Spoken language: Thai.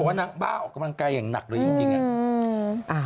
ว่านางบ้าออกกำลังกายอย่างหนักเลยจริงอะ